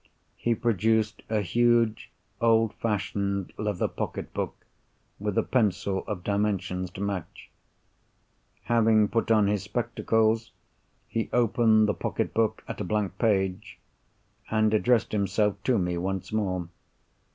He produced a huge old fashioned leather pocket book, with a pencil of dimensions to match. Having put on his spectacles, he opened the pocket book, at a blank page, and addressed himself to me once more.